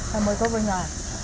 thôi mời cô về nhà